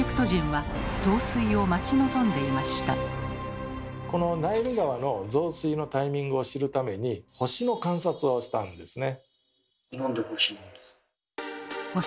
そのためこのナイル川の増水のタイミングを知るために星の観察をしたんですね。